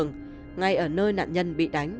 ngay ở nơi nạn nhân bị đánh